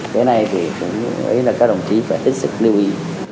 cái này thì các đồng chí phải hết sức lưu ý